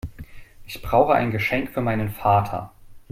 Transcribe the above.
Ich brauche ein Geschenk für meinen Vater.